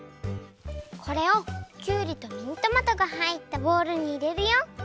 これをきゅうりとミニトマトがはいったボウルにいれるよ。